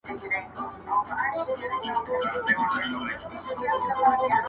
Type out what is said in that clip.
o ليکوال په هنري ډول ګڼ نومونه راوړي تر څو دا مفهوم پراخ کړي,